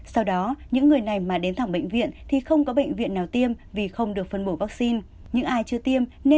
sau đó những người này mà đến thẳng bệnh viện thì không có bệnh viện nào tiêm vì không được phân bổ vaccine